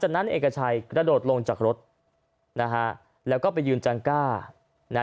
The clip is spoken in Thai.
จากนั้นเอกชัยกระโดดลงจากรถนะฮะแล้วก็ไปยืนจังก้า